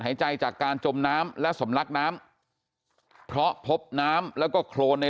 หายใจจากการจมน้ำและสำลักน้ำเพราะพบน้ำแล้วก็โครนใน